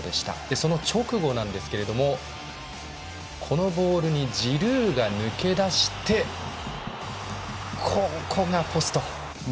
その直後ですがこのボールにジルーが抜け出してここがポスト。